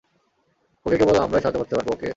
ওকে কেবল আমরাই সাহায্য করতে পারব, ওকে?